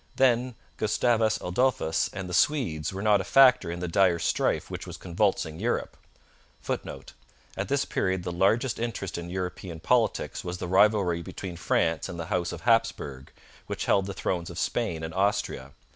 Then Gustavus Adolphus and the Swedes were not a factor in the dire strife which was convulsing Europe. [Footnote: At this period the largest interest in European politics was the rivalry between France and the House of Hapsburg, which held the thrones of Spain and Austria.